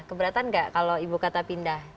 keberatan nggak kalau ibu kota pindah